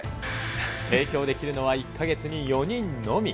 提供できるのは１か月に４人のみ。